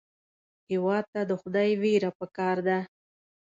هېواد ته د خدای وېره پکار ده